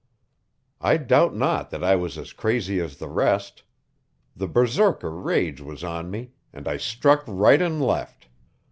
I doubt not that I was as crazy as the rest. The berserker rage was on me, and I struck right and left.